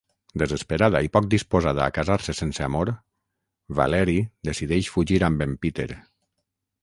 Desesperada i poc disposada a casar-se sense amor, Valeri decideix fugir amb en Peter.